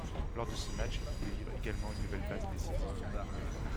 Lors de ce match, il délivre également une nouvelle passe décisive.